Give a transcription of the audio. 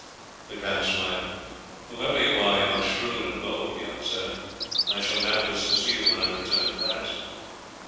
The count smiled. "Whoever you are, you are shrewd and bold, young sir. I shall doubtless see you when I return to Paris."